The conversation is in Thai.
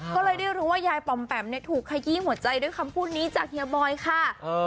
ก็เลยได้รู้ว่ายายปอมแปมเนี่ยถูกขยี้หัวใจด้วยคำพูดนี้จากเฮียบอยค่ะ